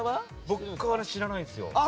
僕は知らないんですよ。